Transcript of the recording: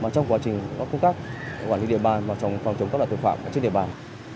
trong quá trình cung cấp quản lý địa bàn phòng chống tất cả tội phạm trên địa bàn